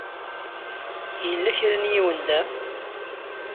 Yella kra n yiwen da?